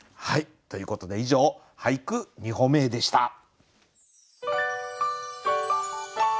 ということで以上「俳句、二歩目へ」でした。